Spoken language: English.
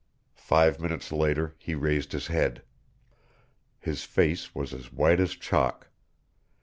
Five minutes later he raised his head. His face was as white as chalk.